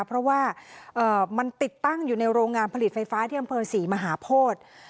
เพราะว่ามันติดตั้งอยู่ในโรงงานผลิตไฟฟ้าที่อำเภอศรีมหาโพธิ